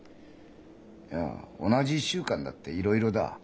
いや同じ１週間だっていろいろだ。